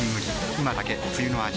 今だけ冬の味